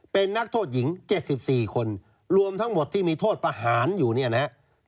เป็นนักโทษหญิง๗๔คนรวมทั้งหมดที่มีโทษประหารอยู่เนี่ยนะครับ